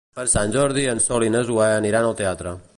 Per Sant Jordi en Sol i na Zoè aniran al teatre.